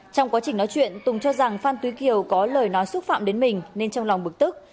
trong quá trình nói chuyện tùng cho rằng phan túy kiều có lời nói xúc phạm đến mình nên trong lòng bực tức